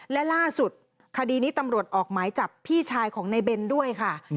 และล่าสุดคดีนี้ตำรวจออกหมายจับพี่ชายของในเบนด้วยค่ะ